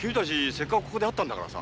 せっかくここで会ったんだからさ